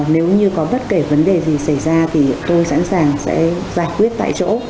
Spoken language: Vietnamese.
nếu như có bất kể vấn đề gì xảy ra thì tôi sẵn sàng sẽ giải quyết tại chỗ